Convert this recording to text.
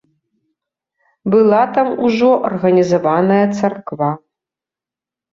Была там ужо арганізаваная царква.